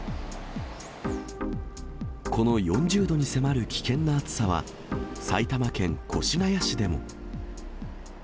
この４０度に迫る危険な暑さは、埼玉県越谷市でも。